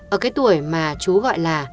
ở cái tuổi mà chú gọi là